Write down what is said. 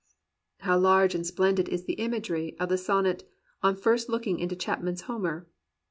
How large and splendid is the imagery of the son net "On First Looking into Chapman's Homer"!